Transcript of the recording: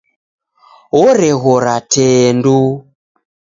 Oreghiora tee nduu.